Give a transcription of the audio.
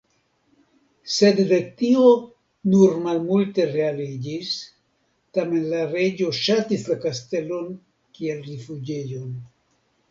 Sed de tio nur malmulte realiĝis, tamen la reĝo ŝatis la kastelon kiel rifuĝejon.